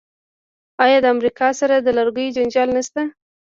آیا د امریکا سره د لرګیو جنجال نشته؟